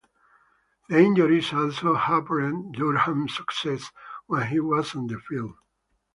The injuries also hampered Durham's success when he was on the field.